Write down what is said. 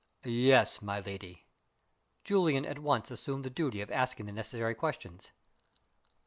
"Yes, my lady." Julian at once assumed the duty of asking the necessary questions.